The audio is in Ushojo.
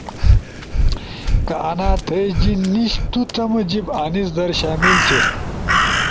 کا آنا تھئی جیِن نیِش نُو تمو جیب آنیس در شامل تھی۔